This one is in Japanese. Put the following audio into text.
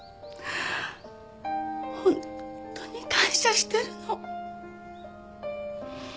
ホントに感謝してるの。